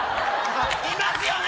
いますよね。